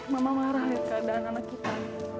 mama marah ya keadaan anak kita